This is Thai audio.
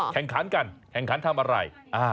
แข่งขันกันแข่งขันทำอะไร